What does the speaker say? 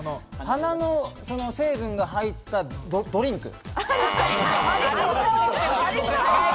花の成分が入ったドリンク。